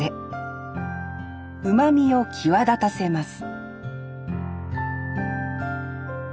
うまみを際立たせます